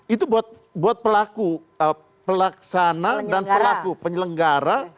itu buat pelaku pelaksana dan pelaku penyelenggara